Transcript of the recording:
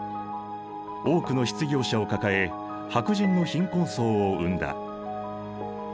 多くの失業者を抱え白人の貧困層を生んだ。